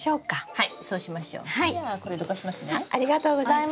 はい。